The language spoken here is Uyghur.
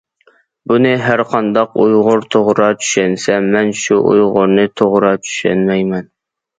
بۇنى ھەرقانداق ئۇيغۇر توغرا چۈشەنسە مەن شۇ ئۇيغۇرنى توغرا چۈشەنمەيمەن.